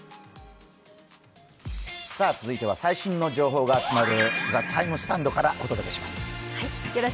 続いては最新の情報が集まる「ＴＨＥＴＩＭＥ，スタンド」からお届けします。